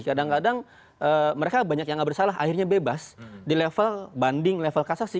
kadang kadang mereka banyak yang nggak bersalah akhirnya bebas di level banding level kasasi